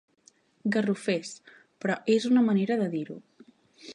Garrofers, però és una manera de dir-ho.